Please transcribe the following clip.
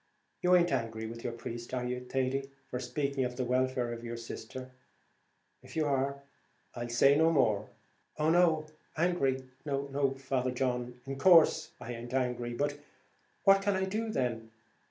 You aint angry with your priest, are you, Thady, for speaking of the welfare of your sister? If you are, I'll say no more." "Oh no! angry, Father John! in course I aint angry. But what can I do then?